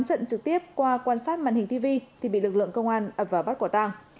trực tiếp qua quan sát màn hình tv thì bị lực lượng công an ập vào bắt quả tàng